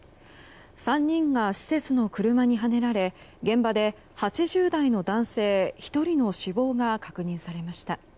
３人が施設の車にはねられ現場で８０代の男性１人の死亡が確認されました。